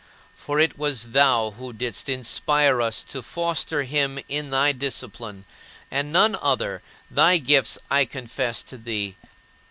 For it was thou who didst inspire us to foster him in thy discipline, and none other thy gifts I confess to thee.